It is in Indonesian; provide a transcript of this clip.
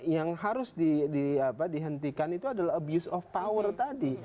yang harus dihentikan itu adalah abuse of power tadi